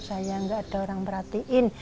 saya gak ada orang perhatiin